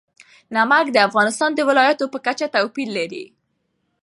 نمک د افغانستان د ولایاتو په کچه توپیر لري.